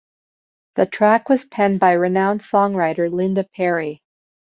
The track was penned by renowned songwriter Linda Perry.